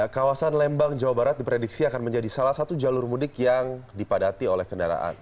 kawasan lembang jawa barat diprediksi akan menjadi salah satu jalur mudik yang dipadati oleh kendaraan